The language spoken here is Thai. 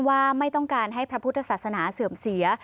ว่าไม่ต้องการให้พระพุทธศาสนาเสื่อมเสีย